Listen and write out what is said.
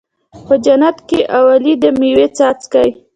خو جنت کې اولي د مَيو څاڅکی